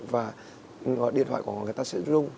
và điện thoại của người ta sẽ rung